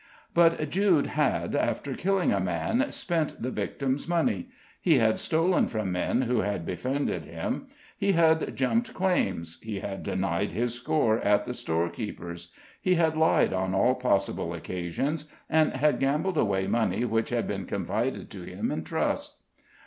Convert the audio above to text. But Jude had, after killing a man, spent the victim's money; he had stolen from men who had befriended him; he had jumped claims; he had denied his score at the storekeeper's; he had lied on all possible occasions; and had gambled away money which had been confided to him in trust.